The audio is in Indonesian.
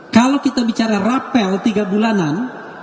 kalau kita bicara rapel tiga bulanan